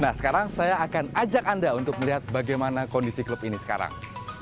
nah sekarang saya akan ajak anda untuk melihat bagaimana kondisi klub ini sekarang